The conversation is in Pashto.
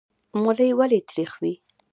ملی ولې تریخ وي؟